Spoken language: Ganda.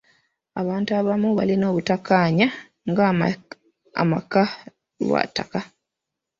Abantu abamu balina obutakkaanya nga amaka lwa ttaka.